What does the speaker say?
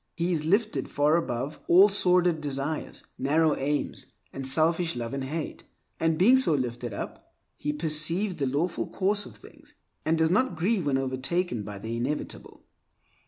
He is lifted far above all sordid desires, narrow aims, and selfish love and hate; and being so lifted up he perceives the lawful course of things, and does not grieve when overtaken by the inevitable.